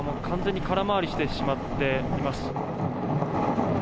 完全に空回りしてしまっています。